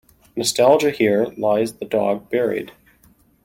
Nostalgia Here lies the dog buried.